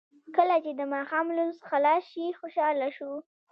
کله چې د ماښام لمونځ خلاص شو خوشاله شو.